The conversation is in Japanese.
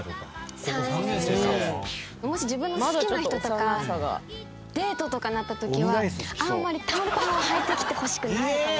「もし自分の好きな人とかデートとかなったときはあんまり短パンははいてきてほしくないかも」